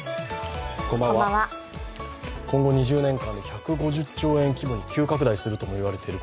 今後２０年間で１５０兆円規模に急拡大するともいわれている